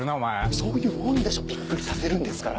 そういうもんでしょびっくりさせるんですから。